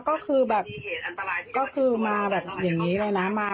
ก็คือมาแบบอย่างนี้เลยนะ